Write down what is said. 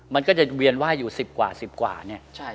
มันก็จะเวียนไหว้อยู่๑๐กว่า๑๐กว่าเนี่ย